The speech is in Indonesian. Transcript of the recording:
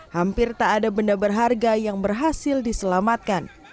hampir tak ada benda berharga yang berhasil diselamatkan